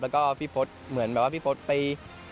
แล้วก็พี่พศเหมือนแบบว่าพี่พศไป